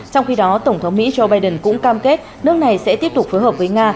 trong khi đó tổng thống mỹ joe biden cũng cam kết nước này sẽ tiếp tục phối hợp với nga